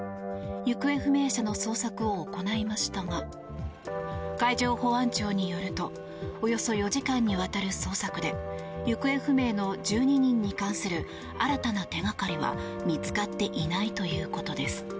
行方不明者の捜索を行いましたが海上保安庁によるとおよそ４時間にわたる捜索で行方不明の１２人に関する新たな手掛かりは見つかっていないということです。